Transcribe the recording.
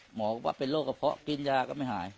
บอกว่าเป็นโรคกระเพาะกินยาก็ไม่หาย